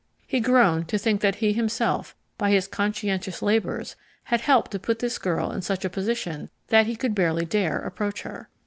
He groaned to think that he himself, by his conscientious labours, had helped to put this girl in such a position that he could hardly dare approach her.